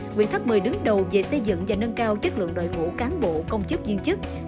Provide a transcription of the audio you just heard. nguyễn tháp một mươi đứng đầu về xây dựng và nâng cao chất lượng đội ngũ cán bộ công chức viên chức